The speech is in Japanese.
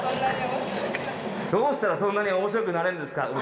「どうしたらそんなに面白くなれるんですか？」。